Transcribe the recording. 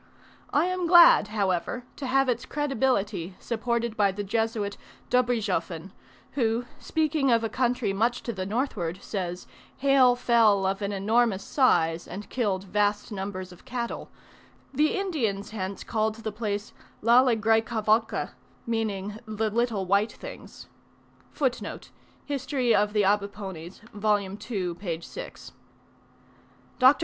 I am glad, however, to have its credibility supported by the Jesuit Dobrizhoffen, who, speaking of a country much to the northward, says, hail fell of an enormous size and killed vast numbers of cattle: the Indians hence called the place Lalegraicavalca, meaning "the little white things." Dr.